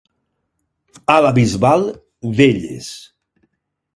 A la Bisbal, velles.